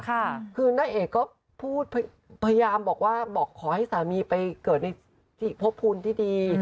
คือนาเอกก็พูดพยายามบอกว่าบอกขอให้สามีไปเกิดในพบภูมิที่ดี